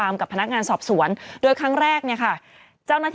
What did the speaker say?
เมื่อ